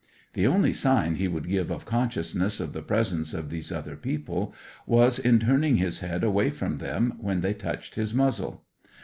The only sign he would give of consciousness of the presence of these other people, was in turning his head away from them when they touched his muzzle.